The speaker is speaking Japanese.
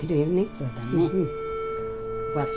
そうだね。